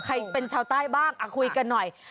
ใครเป็นชาวใต้บ้างคุยกันหน่อย